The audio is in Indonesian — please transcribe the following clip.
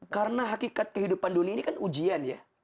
karena hakikat kehidupan dunia ini kan ujian ya